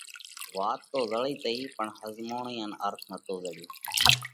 وات تو زڙئِي تئِي پڻ ۿزموڻئِي ان ارٿ نتو زڙيو۔